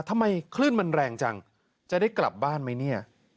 ทำไมคลื่นมันแรงจังจะได้กลับบ้านไหมเนี่ย